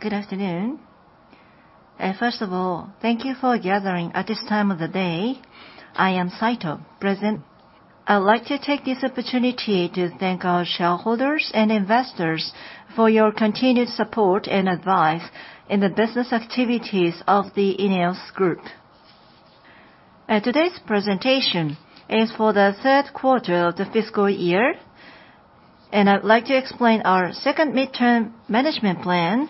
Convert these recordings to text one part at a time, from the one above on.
Good afternoon. First of all, thank you for gathering at this time of the day. I am Saito, President. I would like to take this opportunity to thank our shareholders and investors for your continued support and advice in the business activities of the ENEOS Group. Today's presentation is for the third quarter of the fiscal year, and I'd like to explain our second Medium-Term Management Plan,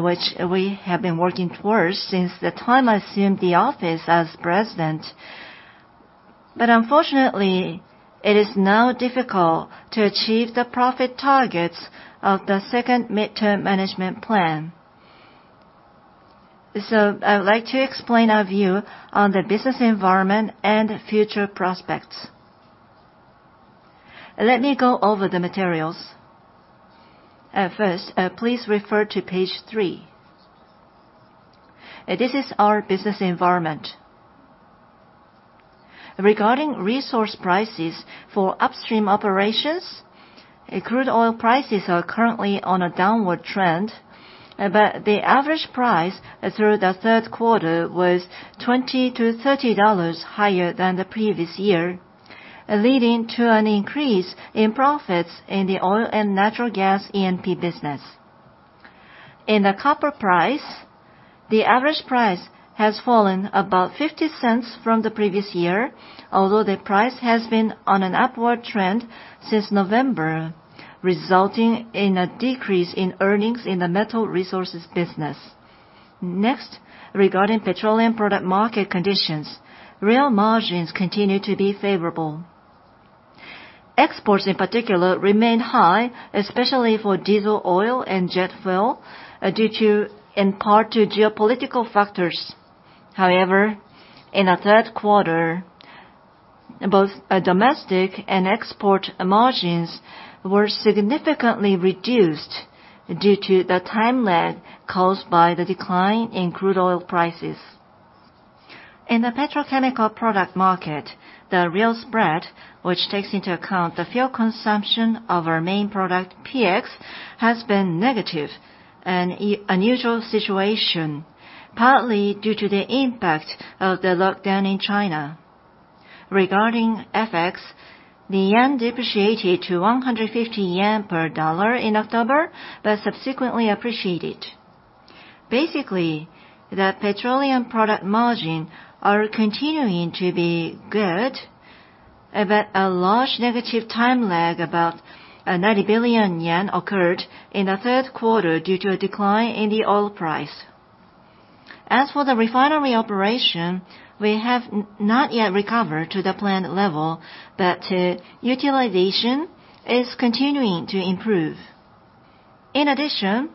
which we have been working towards since the time I assumed the office as president. Unfortunately, it is now difficult to achieve the profit targets of the second Medium-Term Management Plan. I would like to explain our view on the business environment and future prospects. Let me go over the materials. First, please refer to page 3. This is our business environment. Regarding resource prices for upstream operations, crude oil prices are currently on a downward trend. The average price through the third quarter was JPY 20-30 higher than the previous year, leading to an increase in profits in the oil and natural gas E&P business. In the copper price, the average price has fallen about 0.50 from the previous year, although the price has been on an upward trend since November, resulting in a decrease in earnings in the metal resources business. Regarding petroleum product market conditions, real margins continue to be favorable. Exports, in particular, remain high, especially for diesel oil and jet fuel, in part to geopolitical factors. In the third quarter, both domestic and export margins were significantly reduced due to the time lag caused by the decline in crude oil prices. In the petrochemical product market, the real spread, which takes into account the fuel consumption of our main product, PX, has been negative, an unusual situation, partly due to the impact of the lockdown in China. Regarding FX, the yen depreciated to 150 yen per USD in October, but subsequently appreciated. Basically, the petroleum product margin are continuing to be good, but a large negative time lag, about JPY 90 billion, occurred in the third quarter due to a decline in the oil price. As for the refinery operation, we have not yet recovered to the planned level, but utilization is continuing to improve. In addition,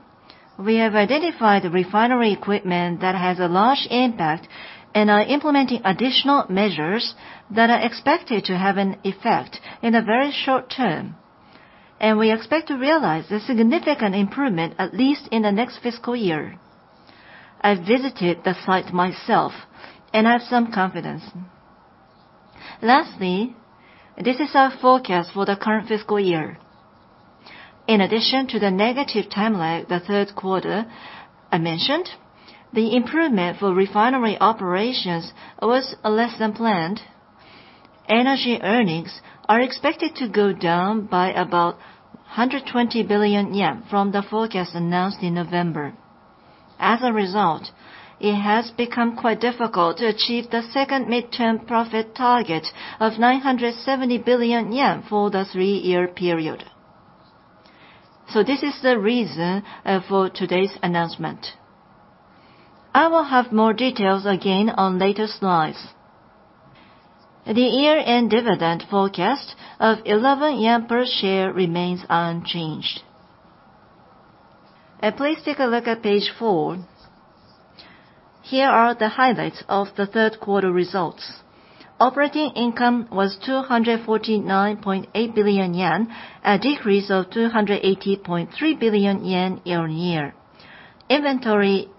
we have identified the refinery equipment that has a large impact and are implementing additional measures that are expected to have an effect in the very short term. We expect to realize a significant improvement, at least in the next fiscal year. I visited the site myself, and I have some confidence. Lastly, this is our forecast for the current fiscal year. In addition to the negative time lag the third quarter I mentioned, the improvement for refinery operations was less than planned. Energy earnings are expected to go down by about 120 billion yen from the forecast announced in November. As a result, it has become quite difficult to achieve the second midterm profit target of 970 billion yen for the three-year period. This is the reason for today's announcement. I will have more details again on later slides. The year-end dividend forecast of 11 yen per share remains unchanged. Please take a look at page 4. Here are the highlights of the third quarter results. Operating income was 249.8 billion yen, a decrease of 280.3 billion yen year-on-year. Inventory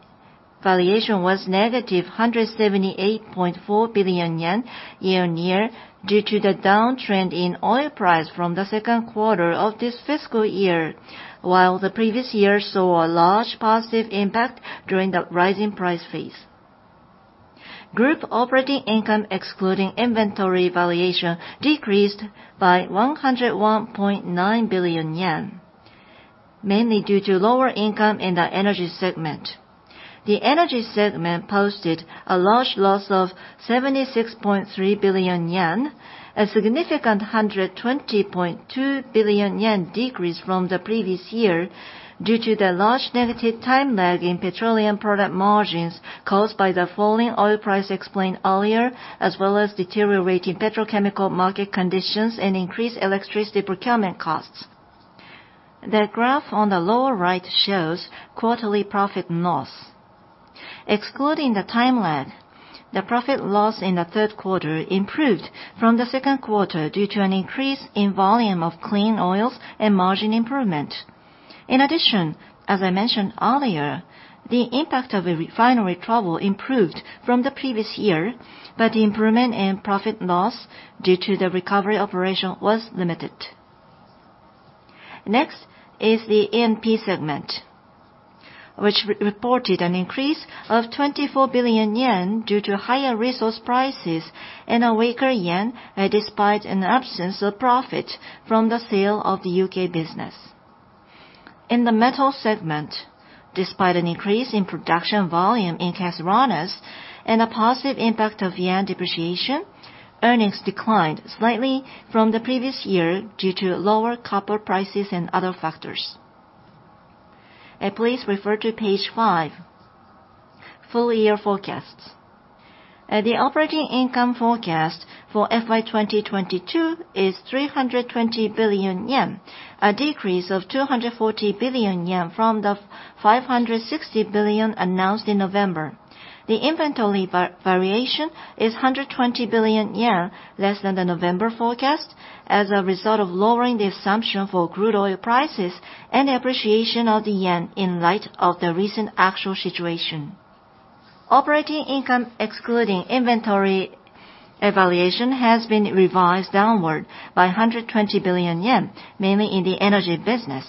valuation was negative 178.4 billion yen year-on-year due to the downtrend in oil price from the second quarter of this fiscal year, while the previous year saw a large positive impact during the rising price phase. Group operating income, excluding inventory valuation, decreased by 101.9 billion yen, mainly due to lower income in the energy segment. The energy segment posted a large loss of 76.3 billion yen, a significant 120.2 billion yen decrease from the previous year due to the large negative time lag in petroleum product margins caused by the falling oil price explained earlier, as well as deteriorating petrochemical market conditions and increased electricity procurement costs. The graph on the lower right shows quarterly profit loss. Excluding the time lag, the profit loss in the third quarter improved from the second quarter due to an increase in volume of clean products and margin improvement. In addition, as I mentioned earlier, the impact of a refinery trouble improved from the previous year, but the improvement in profit loss due to the recovery operation was limited. Next is the E&P segment, which re-reported an increase of 24 billion yen due to higher resource prices and a weaker yen, despite an absence of profit from the sale of the U.K. business. In the metal segment, despite an increase in production volume in Kashima and a positive impact of yen depreciation, earnings declined slightly from the previous year due to lower copper prices and other factors. Please refer to page 5, full year forecasts. The operating income forecast for FY 2022 is 320 billion yen, a decrease of 240 billion yen from the 560 billion announced in November. The inventory variation is 120 billion yen, less than the November forecast, as a result of lowering the assumption for crude oil prices and appreciation of the yen in light of the recent actual situation. Operating income excluding inventory valuation has been revised downward by 120 billion yen, mainly in the energy business.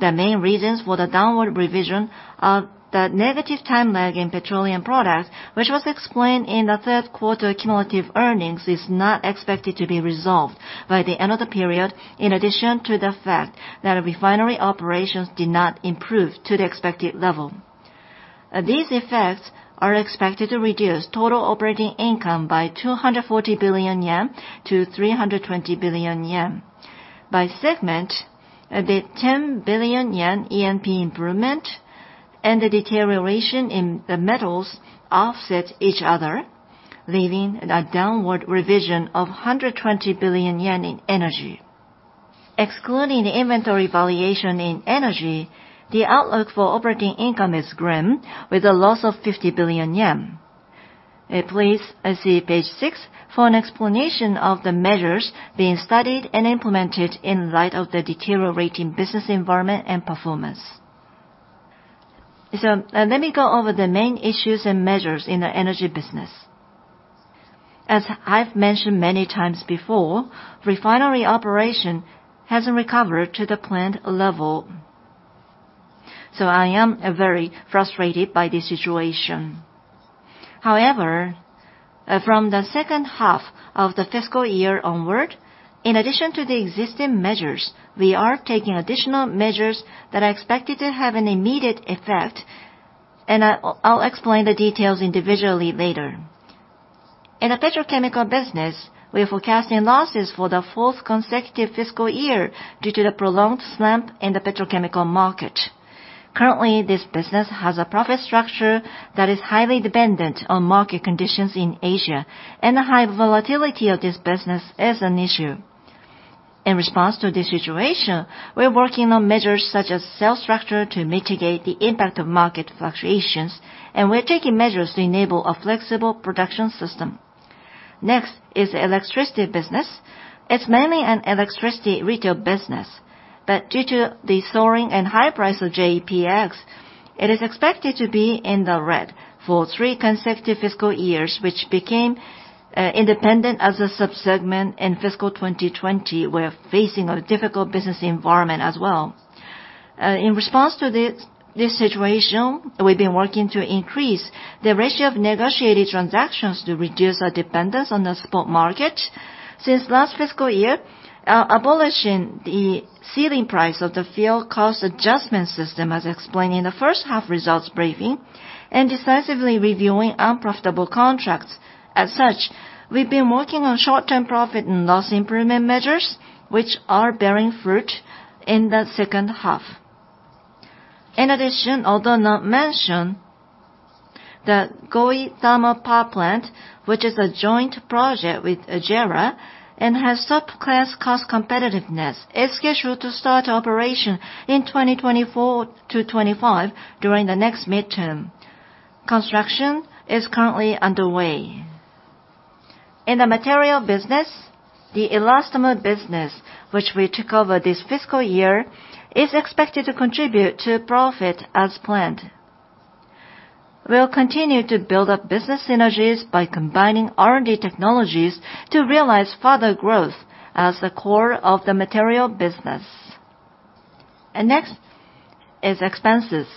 The main reasons for the downward revision are the negative time lag in petroleum products, which was explained in the third quarter cumulative earnings, is not expected to be resolved by the end of the period, in addition to the fact that refinery operations did not improve to the expected level. These effects are expected to reduce total operating income by 240 billion-320 billion yen. By segment, the 10 billion yen E&P improvement and the deterioration in the metals offset each other, leaving a downward revision of 120 billion yen in energy. Excluding the inventory valuation in energy, the outlook for operating income is grim, with a loss of 50 billion yen. Please see page 6 for an explanation of the measures being studied and implemented in light of the deteriorating business environment and performance. Let me go over the main issues and measures in the energy business. As I've mentioned many times before, refinery operation hasn't recovered to the planned level. I am very frustrated by this situation. From the second half of the fiscal year onward, in addition to the existing measures, we are taking additional measures that are expected to have an immediate effect. I'll explain the details individually later. In the petrochemical business, we're forecasting losses for the fourth consecutive fiscal year due to the prolonged slump in the petrochemical market. Currently, this business has a profit structure that is highly dependent on market conditions in Asia, and the high volatility of this business is an issue. In response to this situation, we're working on measures such as sales structure to mitigate the impact of market fluctuations, and we're taking measures to enable a flexible production system. Next is electricity business. It's mainly an electricity retail business, but due to the soaring and high price of JEPX, it is expected to be in the red for three consecutive fiscal years, which became independent as a sub-segment in fiscal 2020. We're facing a difficult business environment as well. In response to this situation, we've been working to increase the ratio of negotiated transactions to reduce our dependence on the spot market. Since last fiscal year, abolishing the ceiling price of the fuel cost adjustment system, as explained in the first half results briefing, and decisively reviewing unprofitable contracts. As such, we've been working on short-term profit and loss improvement measures, which are bearing fruit in the second half. In addition, although not mentioned, the Goi Thermal Power Station, which is a joint project with JERA and has world-class cost competitiveness, is scheduled to start operation in 2024-2025 during the next midterm. Construction is currently underway. In the material business, the elastomer business, which we took over this fiscal year, is expected to contribute to profit as planned. We'll continue to build up business synergies by combining R&D technologies to realize further growth as the core of the material business. Next is expenses.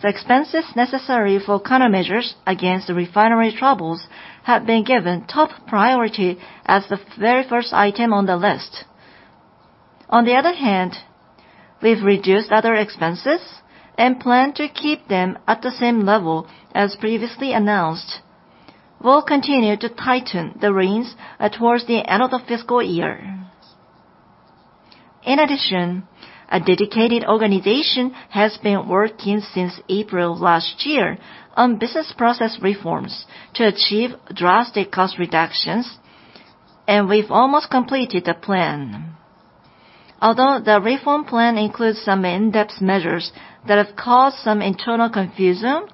The expenses necessary for countermeasures against the refinery troubles have been given top priority as the very first item on the list. On the other hand, we've reduced other expenses and plan to keep them at the same level as previously announced. We'll continue to tighten the reins towards the end of the fiscal year. A dedicated organization has been working since April of last year on business process reforms to achieve drastic cost reductions, and we've almost completed the plan. The reform plan includes some in-depth measures that have caused some internal confusion,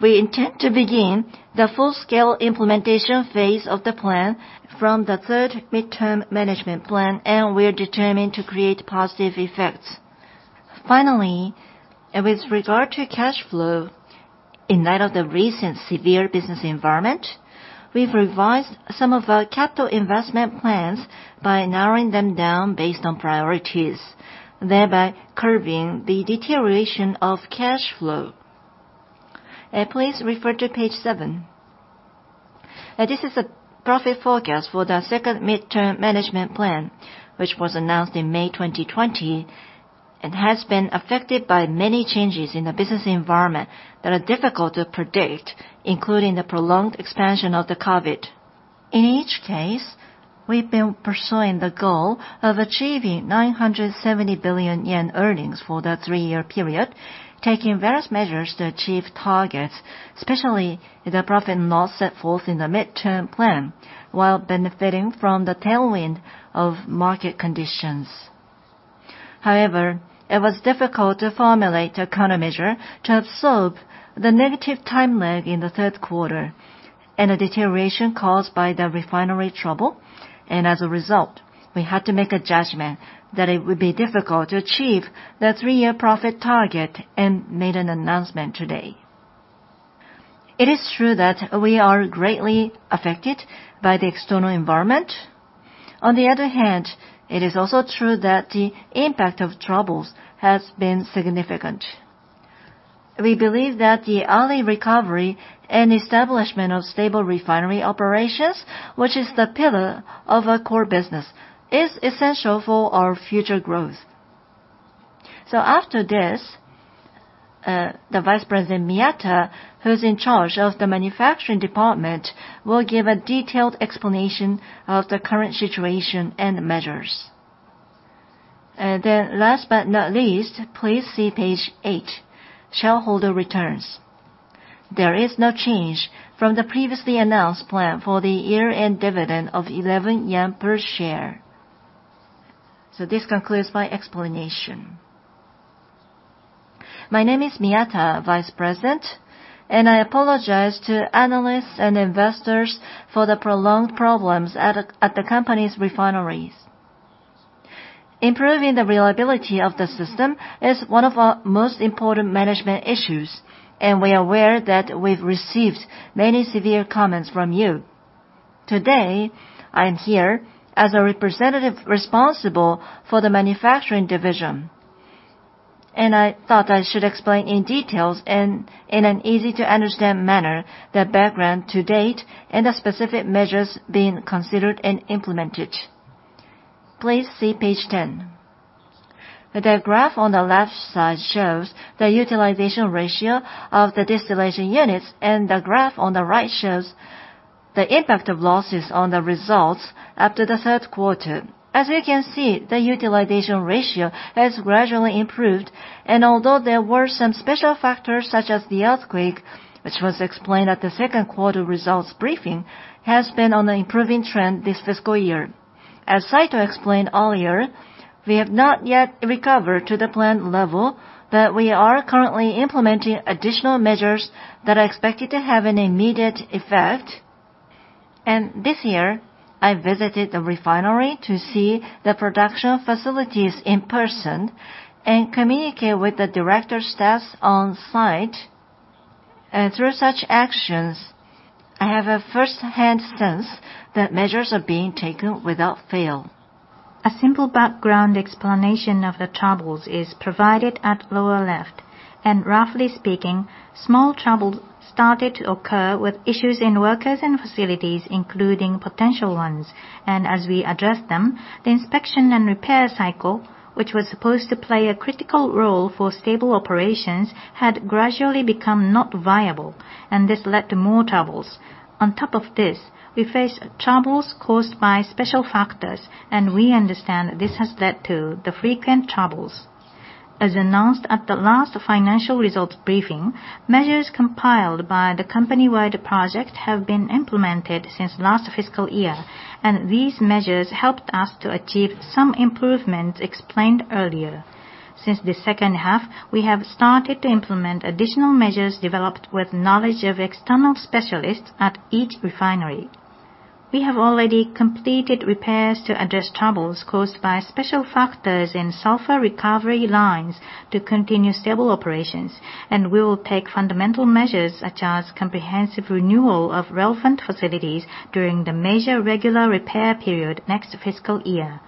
we intend to begin the full-scale implementation phase of the plan from the third Medium-Term Management Plan, and we're determined to create positive effects. With regard to cash flow, in light of the recent severe business environment, we've revised some of our capital investment plans by narrowing them down based on priorities, thereby curving the deterioration of cash flow. Please refer to page 7. This is a profit forecast for the second Medium-Term Management Plan, which was announced in May 2020, and has been affected by many changes in the business environment that are difficult to predict, including the prolonged expansion of the COVID. In each case, we've been pursuing the goal of achieving 970 billion yen earnings for the three-year period, taking various measures to achieve targets, especially the profit and loss set forth in the midterm plan, while benefiting from the tailwind of market conditions. However, it was difficult to formulate a countermeasure to absorb the negative time lag in the third quarter and the deterioration caused by the refinery trouble. As a result, we had to make a judgment that it would be difficult to achieve the 3-year profit target and made an announcement today. It is true that we are greatly affected by the external environment. On the other hand, it is also true that the impact of troubles has been significant. We believe that the early recovery and establishment of stable refinery operations, which is the pillar of our core business, is essential for our future growth. After this, the Vice President Miyata, who's in charge of the manufacturing department, will give a detailed explanation of the current situation and measures. Last but not least, please see page 8, shareholder returns. There is no change from the previously announced plan for the year-end dividend of 11 yen per share. This concludes my explanation. My name is Miyata, Vice President, and I apologize to analysts and investors for the prolonged problems at the company's refineries. Improving the reliability of the system is one of our most important management issues, and we are aware that we've received many severe comments from you. Today, I am here as a representative responsible for the manufacturing division. I thought I should explain in details and in an easy-to-understand manner the background to date and the specific measures being considered and implemented. Please see page 10. The graph on the left side shows the utilization ratio of the distillation units, and the graph on the right shows the impact of losses on the results up to the third quarter. As you can see, the utilization ratio has gradually improved, and although there were some special factors such as the earthquake, which was explained at the second quarter results briefing, has been on an improving trend this fiscal year. As Saito explained earlier, we have not yet recovered to the planned level, but we are currently implementing additional measures that are expected to have an immediate effect. This year, I visited the refinery to see the production facilities in person and communicate with the director staff on site. Through such actions, I have a first-hand sense that measures are being taken without fail. A simple background explanation of the troubles is provided at lower left. Roughly speaking, small troubles started to occur with issues in workers and facilities, including potential ones. As we address them, the inspection and repair cycle, which was supposed to play a critical role for stable operations, had gradually become not viable, and this led to more troubles. On top of this, we face troubles caused by special factors, and we understand this has led to the frequent troubles. As announced at the last financial results briefing, measures compiled by the company-wide projects have been implemented since last fiscal year, these measures helped us to achieve some improvements explained earlier. Since the second half, we have started to implement additional measures developed with knowledge of external specialists at each refinery. We have already completed repairs to address troubles caused by special factors in sulfur recovery lines to continue stable operations. We will take fundamental measures such as comprehensive renewal of relevant facilities during the major regular repair period next fiscal year.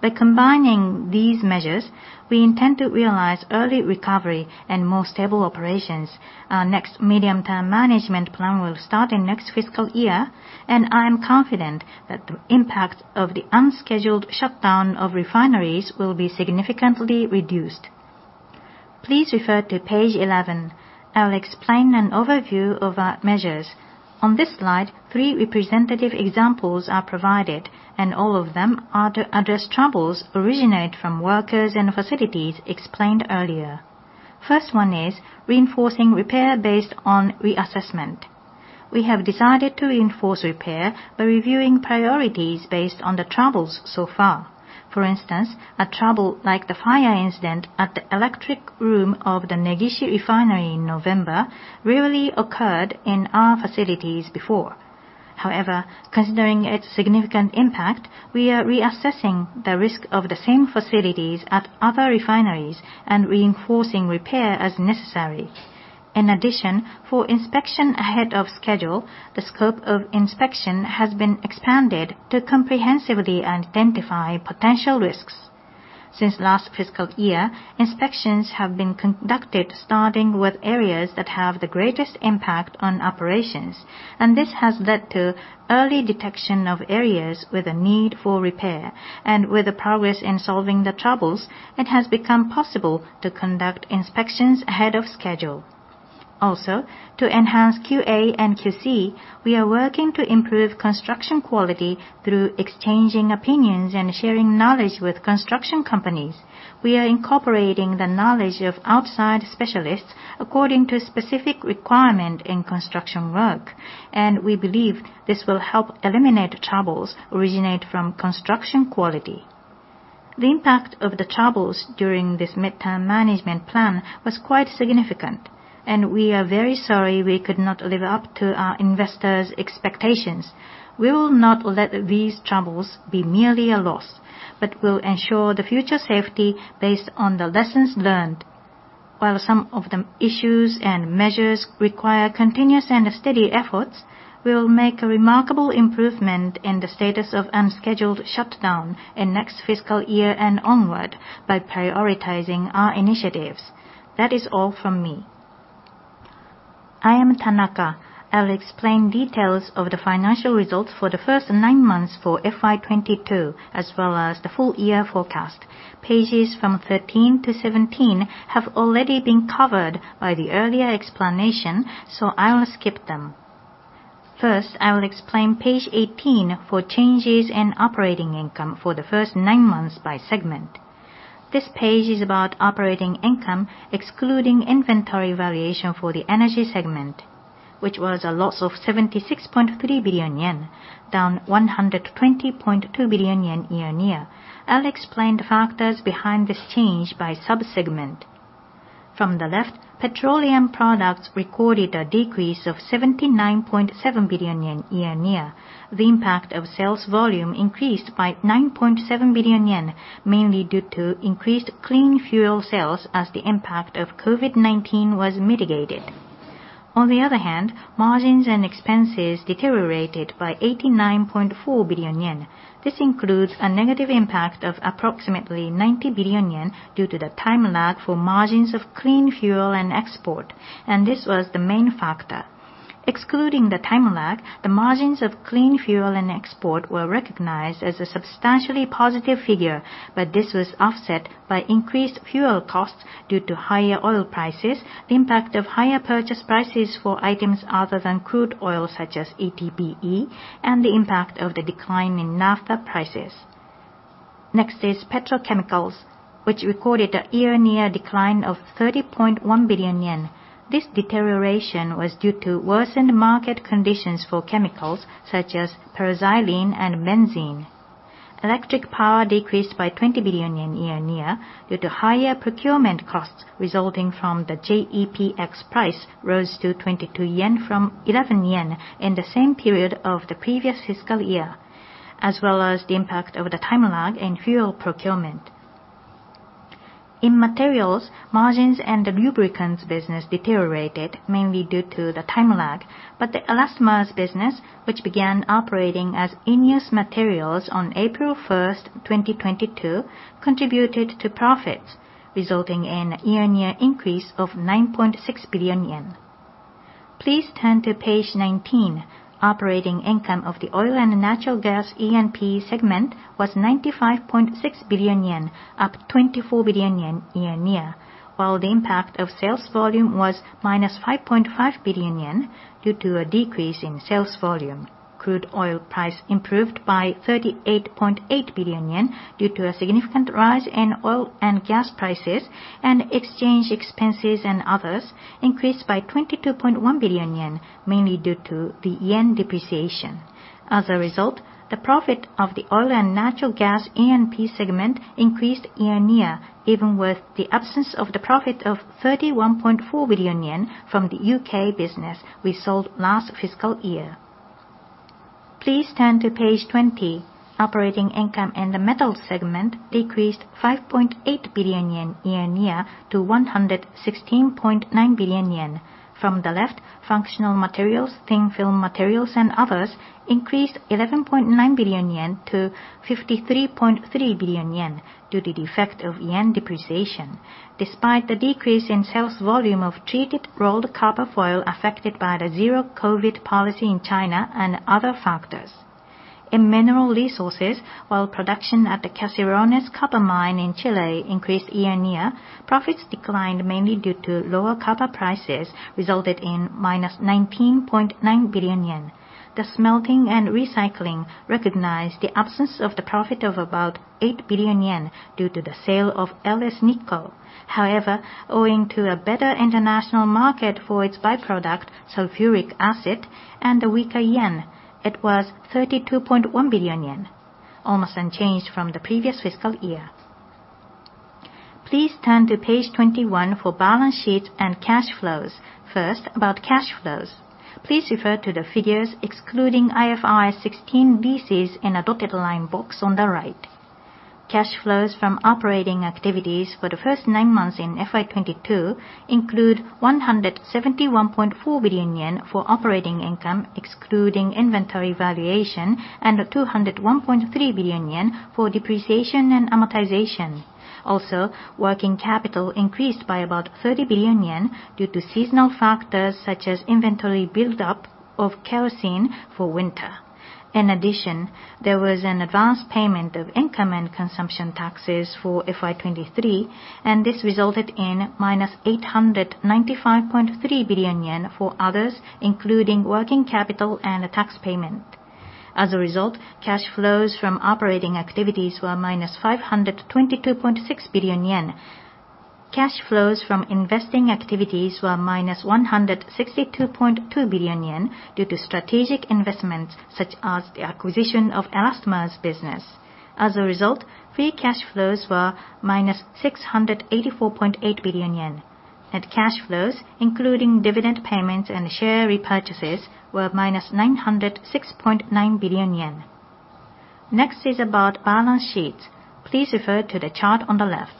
By combining these measures, we intend to realize early recovery and more stable operations. Our next Medium-Term Management Plan will start in next fiscal year, I am confident that the impact of the unscheduled shutdown of refineries will be significantly reduced. Please refer to page 11. I'll explain an overview of our measures. On this slide, three representative examples are provided, and all of them are to address troubles originate from workers and facilities explained earlier. First one is reinforcing repair based on reassessment. We have decided to enforce repair by reviewing priorities based on the troubles so far. For instance, a trouble like the fire incident at the electric room of the Negishi Refinery in November rarely occurred in our facilities before. However, considering its significant impact, we are reassessing the risk of the same facilities at other refineries and reinforcing repair as necessary. In addition, for inspection ahead of schedule, the scope of inspection has been expanded to comprehensively identify potential risks. Since last fiscal year, inspections have been conducted starting with areas that have the greatest impact on operations, and this has led to early detection of areas with a need for repair. With the progress in solving the troubles, it has become possible to conduct inspections ahead of schedule. To enhance QA and QC, we are working to improve construction quality through exchanging opinions and sharing knowledge with construction companies. We are incorporating the knowledge of outside specialists according to specific requirement in construction work, and we believe this will help eliminate troubles originate from construction quality. The impact of the troubles during this Medium-Term Management Plan was quite significant, and we are very sorry we could not live up to our investors' expectations. We will not let these troubles be merely a loss, but will ensure the future safety based on the lessons learned. While some of the issues and measures require continuous and steady efforts, we will make a remarkable improvement in the status of unscheduled shutdown in next fiscal year and onward by prioritizing our initiatives. That is all from me. I am Tanaka. I'll explain details of the financial results for the first nine months for FY 2022, as well as the full year forecast. Pages from 13 to 17 have already been covered by the earlier explanation, so I will skip them. First, I will explain page 18 for changes in operating income for the first nine months by segment. This page is about operating income excluding inventory valuation for the energy segment, which was a loss of 76.3 billion yen, down 100 billion-20.2 billion yen year-on-year. I'll explain the factors behind this change by sub-segment. From the left, petroleum products recorded a decrease of 79.7 billion yen year-on-year. The impact of sales volume increased by 9.7 billion yen, mainly due to increased clean fuel sales as the impact of COVID-19 was mitigated. On the other hand, margins and expenses deteriorated by 89.4 billion yen. This includes a negative impact of approximately 90 billion yen due to the time lag for margins of clean fuel and export. This was the main factor. Excluding the time lag, the margins of clean fuel and export were recognized as a substantially positive figure, but this was offset by increased fuel costs due to higher oil prices, the impact of higher purchase prices for items other than crude oil, such as ETBE, and the impact of the decline in naphtha prices. Next is petrochemicals, which recorded a year-on-year decline of 30.1 billion yen. This deterioration was due to worsened market conditions for chemicals such as paraxylene and benzene. Electric power decreased by 20 billion yen year-on-year due to higher procurement costs resulting from the JEPX price rose to 22 yen from 11 yen in the same period of the previous fiscal year, as well as the impact of the time lag in fuel procurement. In materials, margins and the lubricants business deteriorated mainly due to the time lag. The elastomers business, which began operating as ENEOS Materials on April 1st, 2022, contributed to profits, resulting in a year-on-year increase of 9.6 billion yen. Please turn to page 19. Operating income of the oil and natural gas E&P segment was 95.6 billion yen, up 24 billion yen year-on-year, while the impact of sales volume was -5.5 billion yen due to a decrease in sales volume. Crude oil price improved by 38.8 billion yen due to a significant rise in oil and gas prices, and exchange expenses and others increased by 22.1 billion yen, mainly due to the yen depreciation. As a result, the profit of the oil and natural gas E&P segment increased year-on-year, even with the absence of the profit of 31.4 billion yen from the U.K. business we sold last fiscal year. Please turn to page 20. Operating income in the metals segment decreased 5.8 billion yen year-on-year to 116.9 billion yen. From the left, functional materials, thin film materials and others increased 11.9 billion yen to 53.3 billion yen due to the effect of yen depreciation, despite the decrease in sales volume of treated rolled copper foil affected by the Zero-COVID policy in China and other factors. In mineral resources, while production at the Caserones copper mine in Chile increased year-on-year, profits declined mainly due to lower copper prices, resulted in minus 19.9 billion yen. The smelting and recycling recognized the absence of the profit of about 8 billion yen due to the sale of LS Nickel. Owing to a better international market for its by-product, sulfuric acid, and the weaker yen, it was 32.1 billion yen, almost unchanged from the previous fiscal year. Please turn to page 21 for balance sheets and cash flows. First, about cash flows. Please refer to the figures excluding IFRS 16 leases in a dotted line box on the right. Cash flows from operating activities for the first nine months in FY 2022 include 171.4 billion yen for operating income, excluding inventory valuation, and 201.3 billion yen for depreciation and amortization. Working capital increased by about 30 billion yen due to seasonal factors such as inventory buildup of kerosene for winter. In addition, there was an advance payment of income and consumption taxes for FY 2023, this resulted in -895.3 billion yen for others, including working capital and tax payment. As a result, cash flows from operating activities were -522.6 billion yen. Cash flows from investing activities were -162.2 billion yen due to strategic investments such as the acquisition of elastomer business. As a result, free cash flows were -684.8 billion yen. Net cash flows, including dividend payments and share repurchases, were -906.9 billion yen. Next is about balance sheets. Please refer to the chart on the left.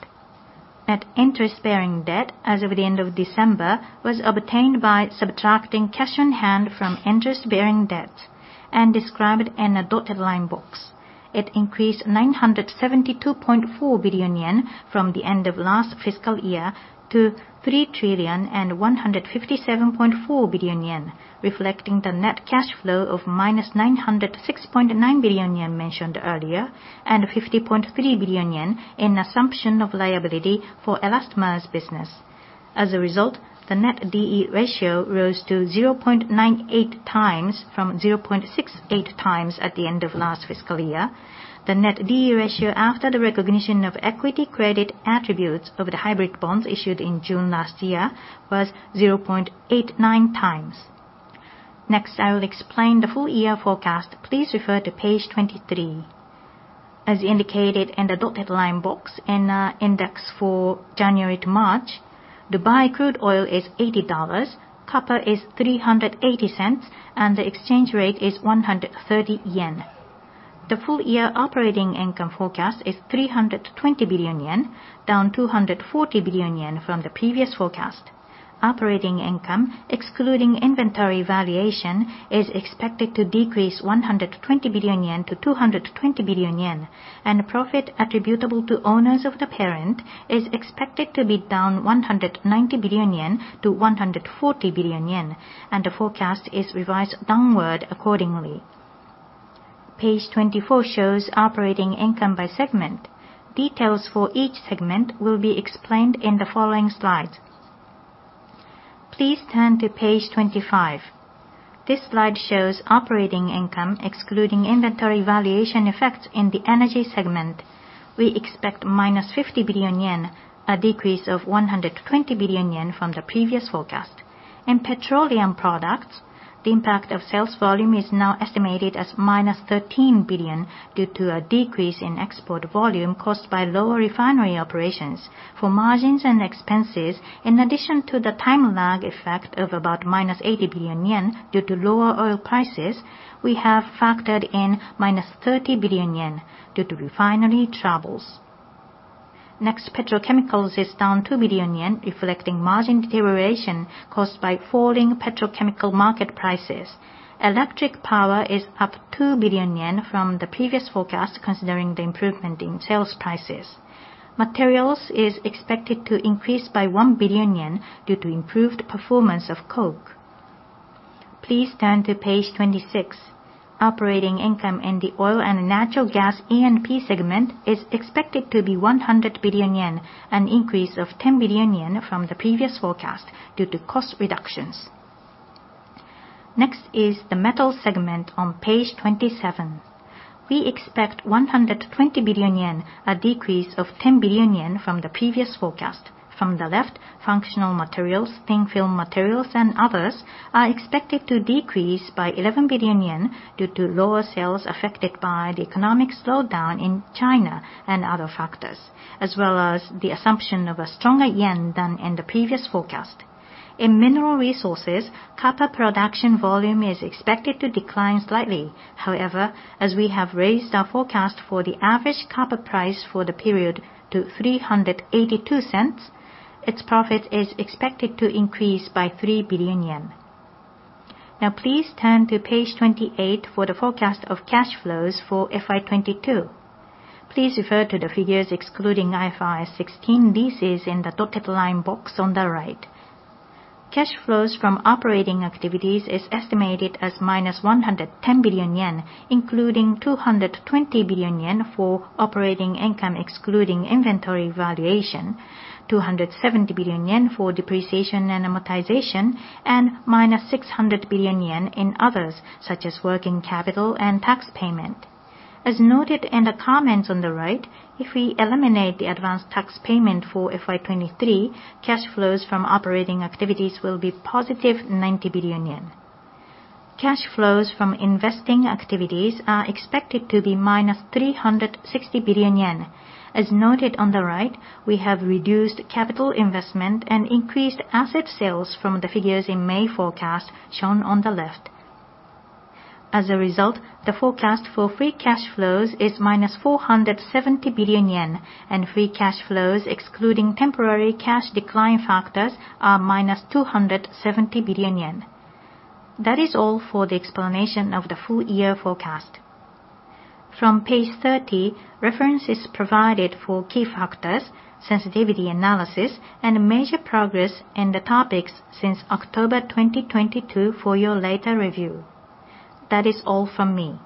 Net interest-bearing debt as of the end of December was obtained by subtracting cash on hand from interest-bearing debt and described in a dotted line box. It increased 972.4 billion yen from the end of last fiscal year to 3,157.4 billion yen, reflecting the net cash flow of -906.9 billion yen mentioned earlier, and 50.3 billion yen in assumption of liability for elastomer's business. As a result, the net D/E ratio rose to 0.98 times from 0.68 times at the end of last fiscal year. The net D/E ratio after the recognition of equity credit attributes of the hybrid bonds issued in June last year was 0.89 times. Next, I will explain the full year forecast. Please refer to page 23. As indicated in the dotted line box in index for January to March, Dubai crude oil is $80, copper is $3.80, and the exchange rate is 130 yen. The full year operating income forecast is 320 billion yen, down 240 billion yen from the previous forecast. Operating income, excluding inventory valuation, is expected to decrease 120 billion yen to 220 billion yen. Profit attributable to owners of the parent is expected to be down 190 billion yen to 140 billion yen, and the forecast is revised downward accordingly. Page 24 shows operating income by segment. Details for each segment will be explained in the following slides. Please turn to page 25. This slide shows operating income excluding inventory valuation effects in the energy segment. We expect minus 50 billion yen, a decrease of 120 billion yen from the previous forecast. In petroleum products, the impact of sales volume is now estimated as minus 13 billion due to a decrease in export volume caused by lower refinery operations. For margins and expenses, in addition to the time lag effect of about minus 80 billion yen due to lower oil prices, we have factored in minus 30 billion yen due to refinery troubles. Petrochemicals is down 2 billion yen, reflecting margin deterioration caused by falling petrochemical market prices. Electric power is up 2 billion yen from the previous forecast, considering the improvement in sales prices. Materials is expected to increase by 1 billion yen due to improved performance of coke. Please turn to page 26. Operating income in the oil and natural gas E&P segment is expected to be 100 billion yen, an increase of 10 billion yen from the previous forecast due to cost reductions. The metals segment on page 27. We expect 120 billion yen, a decrease of 10 billion yen from the previous forecast. From the left, functional materials, thin film materials, and others are expected to decrease by 11 billion yen due to lower sales affected by the economic slowdown in China and other factors, as well as the assumption of a stronger yen than in the previous forecast. In mineral resources, copper production volume is expected to decline slightly. As we have raised our forecast for the average copper price for the period to 382 cents, its profit is expected to increase by 3 billion yen. Now please turn to page 28 for the forecast of cash flows for FY 2022. Please refer to the figures excluding IFRS 16 leases in the dotted line box on the right. Cash flows from operating activities is estimated as minus 110 billion yen, including 220 billion yen for operating income excluding inventory valuation, 270 billion yen for depreciation and amortization, and minus 600 billion yen in others, such as working capital and tax payment. As noted in the comments on the right, if we eliminate the advanced tax payment for FY 2023, cash flows from operating activities will be positive 90 billion yen. Cash flows from investing activities are expected to be minus 360 billion yen. As noted on the right, we have reduced capital investment and increased asset sales from the figures in May forecast shown on the left. As a result, the forecast for free cash flows is minus 470 billion yen, and free cash flows excluding temporary cash decline factors are minus 270 billion yen. That is all for the explanation of the full year forecast. From page 30, reference is provided for key factors, sensitivity analysis, and major progress in the topics since October 2022 for your later review. That is all from me.